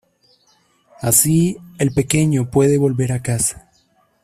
Así el pequeño puede volver a casa.